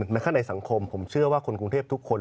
ในข้างในสังคมผมเชื่อว่าคนกรุงเทพทุกคน